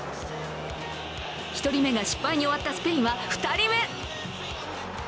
１人目が失敗に終わったスペインは２人目。